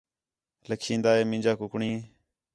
لَکھین٘دا ہے مینجاں کُکڑیں